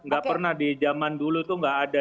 gak pernah di zaman dulu itu gak ada